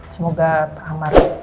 semoga pak amar